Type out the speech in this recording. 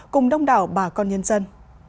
cùng đông đảo bà con nhân dân